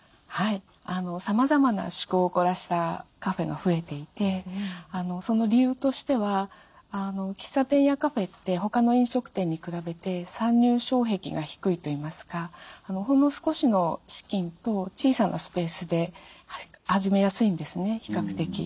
さまざまな趣向を凝らしたカフェが増えていてその理由としては喫茶店やカフェって他の飲食店に比べて参入障壁が低いといいますかほんの少しの資金と小さなスペースで始めやすいんですね比較的。